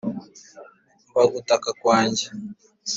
Umva gutaka kwanjye